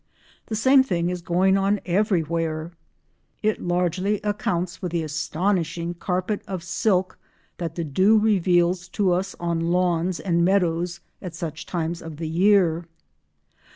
The same thing is going on everywhere. It largely accounts for the astonishing carpet of silk that the dew reveals to us on lawns and meadows at such times of the year.